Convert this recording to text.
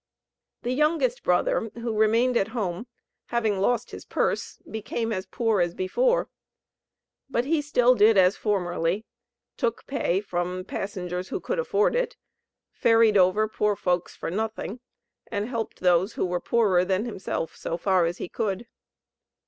The youngest brother, who remained at home, having lost his purse, became as poor as before. But he still did as formerly, took pay from passengers who could afford it, ferried over poor folks for nothing, and helped those who were poorer than himself so far as he could.